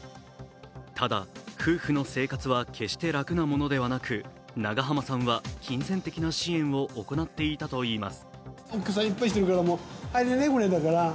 ただ、夫婦の生活は決して楽なものではなく、長濱さんは金銭的な支援を行っていたといいます。